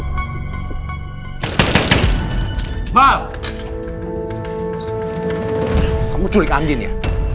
kamu curig andin ya